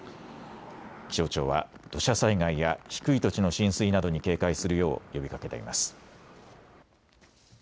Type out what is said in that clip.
気象庁は土砂災害や低い土地の浸水などに警戒するよう呼びかけています。